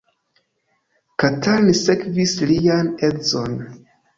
Katalin sekvis lian edzon.